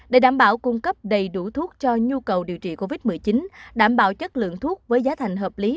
để đảm bảo cung cấp đầy đủ thuốc cho nhu cầu điều trị covid một mươi chín đảm bảo chất lượng thuốc với giá thành hợp lý